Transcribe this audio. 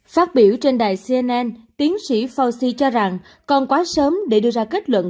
phát biểu trên đài cnn tiến sĩ fauci cho rằng còn quá sớm để đưa ra kết luận